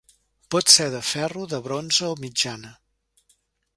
Pot ser de ferro, de bronze o mitjana.